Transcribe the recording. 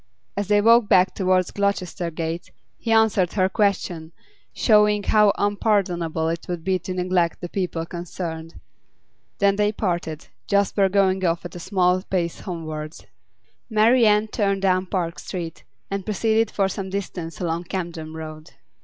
As they walked back towards Gloucester Gate, he answered her question, showing how unpardonable it would be to neglect the people concerned. Then they parted, Jasper going off at a smart pace homewards. Marian turned down Park Street, and proceeded for some distance along Camden Road.